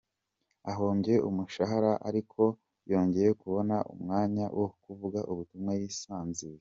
Ahombye umushahara ariko yongeye kubona umwanya wo kuvuga ubutumwa yisanzuye.